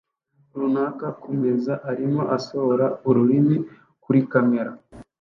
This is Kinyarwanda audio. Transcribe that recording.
runaka kumeza arimo asohora ururimi kuri kamera